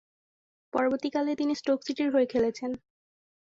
পরবর্তীকালে, তিনি স্টোক সিটির হয়ে খেলেছেন।